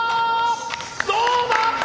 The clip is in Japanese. どうだ？